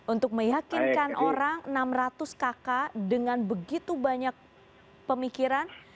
untuk meyakinkan orang enam ratus kakak dengan begitu banyak pemikiran